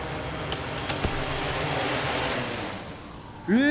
え！